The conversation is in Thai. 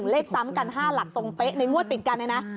เลขซ้ำกัน๕หลักทรงเป๊ะในงวดติดกันเนี่ยนะ